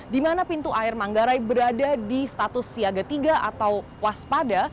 di mana pintu air manggarai berada di status siaga tiga atau waspada